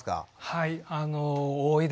はい。